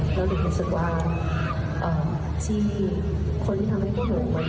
แล้วผมรู้สึกว่าที่คนที่ทำให้เกิดว่างวันนี้